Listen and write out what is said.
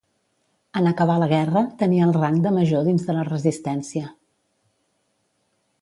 En acabar la guerra tenia el rang de major dins de la Resistència.